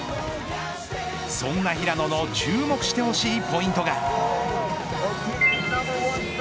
そんな平野の注目してほしいポイントが。